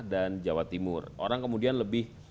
dan jawa timur orang kemudian lebih